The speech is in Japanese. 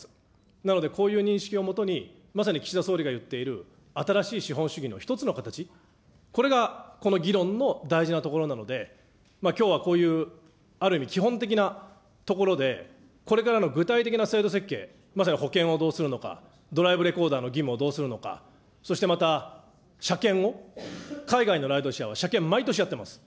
なので、こういう認識をもとに、まさに岸田総理が言っている新しい資本主義の一つの形、これがこの議論の大事なところなので、きょうはこういう、ある意味、基本的なところでこれからの具体的な制度設計、まさに保険をどうするのか、ドライブレコーダーの義務はどうするのか、そしてまた車検を、海外のライドシェアは車検、毎年やっています。